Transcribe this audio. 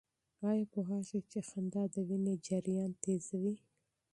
آیا پوهېږئ چې خندا د وینې جریان تېزوي؟